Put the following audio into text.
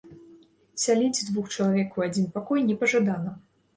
Сяліць двух чалавек у адзін пакой не пажадана.